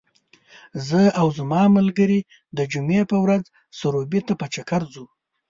زه او زما ملګري د جمعې په ورځ سروبي ته په چکر ځو .